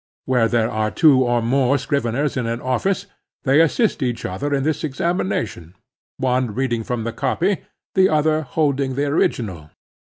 Where there are two or more scriveners in an office, they assist each other in this examination, one reading from the copy, the other holding the original.